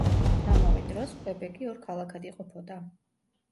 ამავე დროს, კვებეკი ორ ქალაქად იყოფოდა.